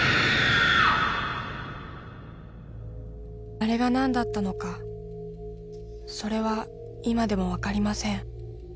・［あれが何だったのかそれは今でも分かりません。